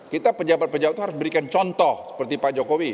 kita pejabat pejabat itu harus berikan contoh seperti pak jokowi